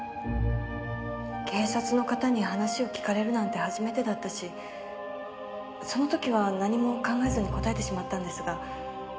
警察の方に話を聞かれるなんて初めてだったしその時は何も考えずに答えてしまったんですが。